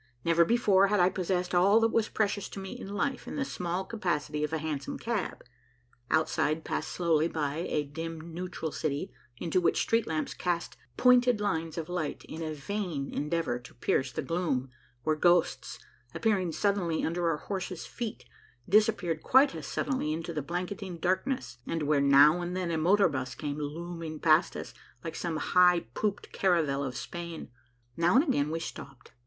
Never before had I possessed all that was precious to me in life in the small capacity of a hansom cab. Outside passed slowly by a dim neutral city, into which street lamps cast pointed lines of light in a vain endeavor to pierce the gloom, where ghosts, appearing suddenly under our horses feet, disappeared quite as suddenly into the blanketing darkness, and where now and then a motor bus came looming past us, like some high pooped caravel of Spain. Now and again we stopped.